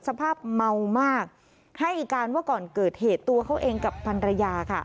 สภาพเมามากให้การว่าก่อนเกิดเหตุตัวเขาเองกับพันรยาค่ะ